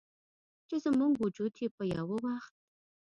چې زموږ وجود یې په یوه وخت